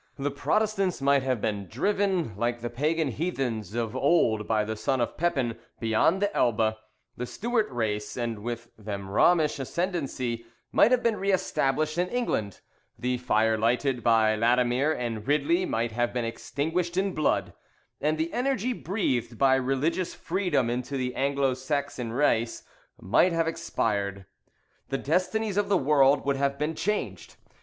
"The Protestants might have been driven, like the Pagan heathens of old by the son of Pepin, beyond the Elbe; the Stuart race, and with them Romish, ascendancy, might have been re established in England; the fire lighted by Latimer and Ridley might have been extinguished in blood; and the energy breathed by religious freedom into the Anglo Saxon race might have expired. The destinies of the world would have been changed.